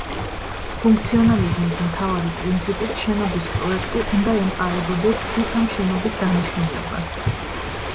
ფუნქციონალიზმის მთავარი პრინციპით შენობის პროექტი უნდა ემყარებოდეს თვით ამ შენობის დანიშნულებას.